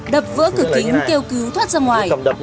đập vỡ cửa kính kêu cứu thoát ra ngoài